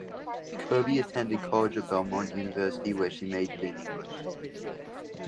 Kirby attended college at Belmont University where she majored in English.